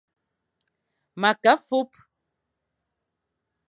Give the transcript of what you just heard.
Ma ke afup.